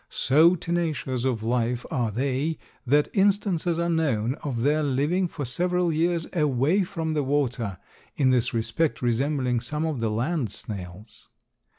So tenacious of life are they that instances are known of their living for several years away from the water, in this respect resembling some of the land snails.